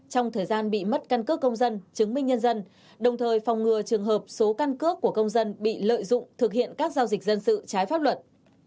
trong thời gian bị mất căn cước công dân chứng minh nhân dân đồng thời phòng ngừa trường hợp số căn cước của công dân bị lợi dụng thực hiện các giao dịch dân sự trái pháp luật